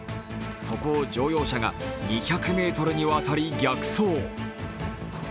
そこを乗用車が２００ｍにわたり逆走。